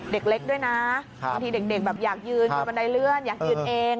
เด็กเล็กด้วยนะบางทีเด็กแบบอยากยืนอยู่บันไดเลื่อนอยากยืนเอง